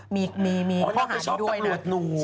มีข้อหาจะด้วยเนอะแหละ